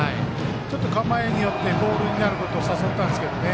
ちょっと構えによってボールになることを誘ったんですけどね。